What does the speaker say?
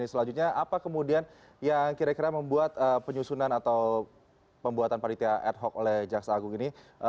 selanjutnya apa kemudian yang kira kira membuat penyusunan atau pembuatan panitia ad hoc oleh jaksa agung ini